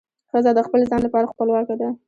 ښځه د خپل ځان لپاره خپلواکه ده.